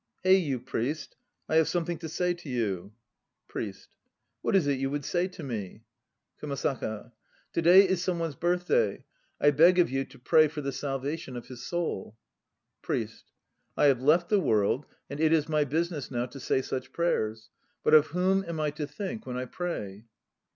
Hey, you priest, I have something to say to you ! PRIEST. What is it you would say to me? 60 KUMASAKA 61 KUMASAKA. To day is some one's birthday. I beg of you to pray for the salvation of his soul. PRIEST. I have left the World, and it is my business now to say such prayers; but of whom am I to think when I pray?